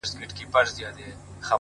ښه دى چي په زوره سجده نه ده.!